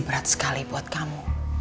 sangat sekali buat kamu